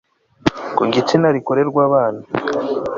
ku gitsina rikorerwa abana